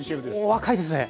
お若いですね。